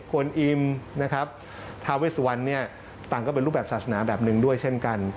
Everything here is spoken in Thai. วนอิมนะครับทาเวสวันเนี่ยต่างก็เป็นรูปแบบศาสนาแบบหนึ่งด้วยเช่นกัน